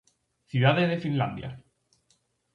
Cidade de Finlandia.